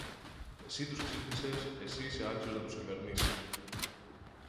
Εσύ τους ξύπνησες, εσύ είσαι άξιος να τους κυβερνήσεις!